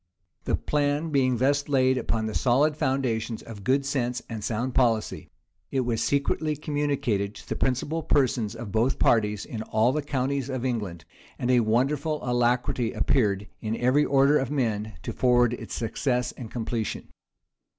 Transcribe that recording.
The plan being thus laid upon the solid foundations of good sense and sound policy, it was secretly communicated to the principal persons of both parties in all the counties of England; and a wonderful alacrity appeared in every order of men to forward its success and completion.